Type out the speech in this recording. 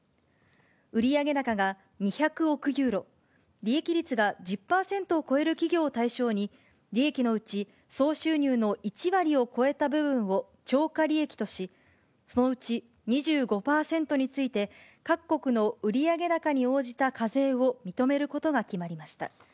売上高が２００億ユーロ、利益率が１０％を超える企業を対象に、利益のうち総収入の１割を超えた部分を超過利益とし、そのうち２５％について、各国の売上高に応じた課税を認めることが決まりました。